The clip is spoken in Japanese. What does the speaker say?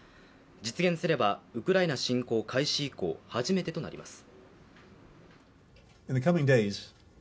実現すれば、ウクライナ侵攻開始以降、初めてとなります。